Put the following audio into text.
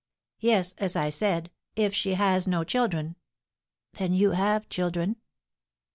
'" "Yes, as I said, if she has no children." "Then you have children?"